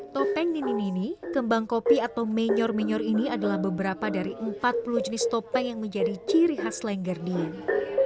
topeng nini nini kembang kopi atau menyor menyor ini adalah beberapa dari empat puluh jenis topeng yang menjadi ciri khas lengger dieng